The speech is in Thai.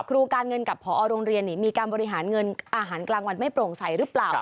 การเงินกับพอโรงเรียนมีการบริหารเงินอาหารกลางวันไม่โปร่งใสหรือเปล่า